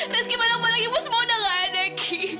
rizky barang barang ibu semua udah ga ada g